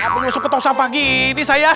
penyusup ketosan pagi ini saya